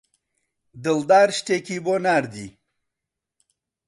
دڵدار شتێکی بۆ ناردی.